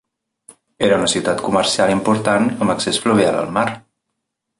Era una ciutat comercial important amb accés fluvial al mar.